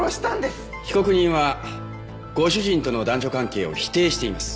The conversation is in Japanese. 被告人はご主人との男女関係を否定しています。